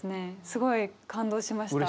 すごい感動しました。